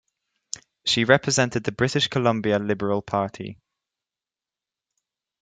She represented the British Columbia Liberal Party.